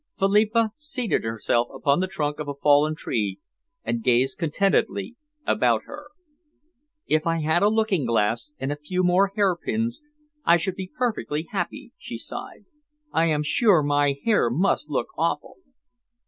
Philippa seated herself upon the trunk of a fallen tree and gazed contentedly about her. "If I had a looking glass and a few more hairpins, I should be perfectly happy," she sighed. "I am sure my hair must look awful."